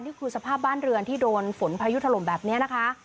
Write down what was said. สภาพบ้านเรือนที่โดนฝนพายุถล่มแบบนี้นะคะ